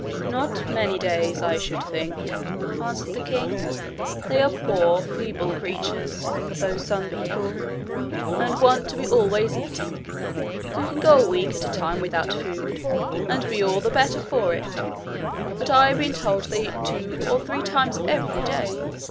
'Not many days, I should think,' answered the king. 'They are poor feeble creatures, those sun people, and want to be always eating. We can go a week at a time without food, and be all the better for it; but I've been told they eat two or three times every day!